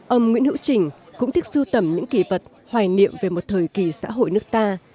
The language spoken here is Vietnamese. ông nguyễn hữu trình cũng thích sưu tầm những kỷ vật hoài niệm về một thời kỳ xã hội nước ta